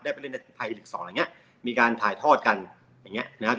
ได้ไปเล่นในไทยหลีก๒อะไรอย่างนี้มีการถ่ายทอดกันอย่างนี้นะครับ